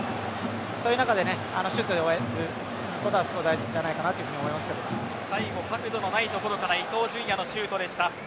そういう中でシュートで終えられたことはすごい大事じゃないかなと角度のないところから伊東純也のシュートでした。